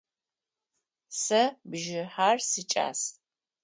Сэ бжыхьэр сикӏас.